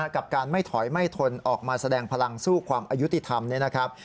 กับการไม่ถอยไม่ทนออกมาแสดงพลังสู้ความอายุติธรรมเนี่ยนะครับ